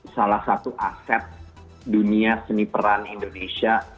salah satu aset dunia seni peran indonesia